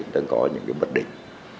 đang có những cái bất định